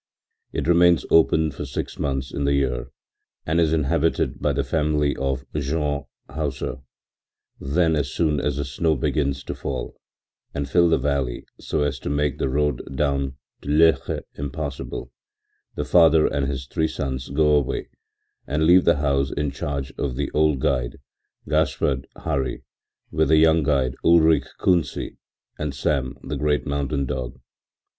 It remains open for six months in the year and is inhabited by the family of Jean Hauser; then, as soon as the snow begins to fall and to fill the valley so as to make the road down to Loeche impassable, the father and his three sons go away and leave the house in charge of the old guide, Gaspard Hari, with the young guide, Ulrich Kunsi, and Sam, the great mountain dog.